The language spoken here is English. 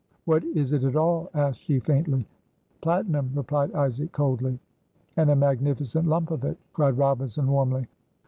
"What is it at all?" asked she, faintly. "Platinum," replied Isaac, coldly. "And a magnificent lump of it!" cried Robinson, warmly.